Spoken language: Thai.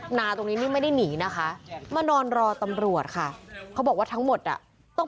หายผู้หรือไม่เจอใครว่าเขาอย่างนี้น่ะ